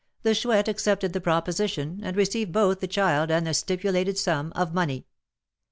"The Chouette accepted the proposition, and received both the child and the stipulated sum of money.